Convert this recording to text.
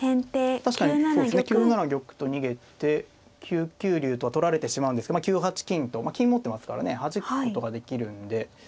確かにそうですね９七玉と逃げて９九竜と取られてしまうんですけど９八金と金持ってますからねはじくことができるんで。